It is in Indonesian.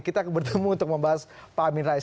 kita akan bertemu untuk membahas pak amin rais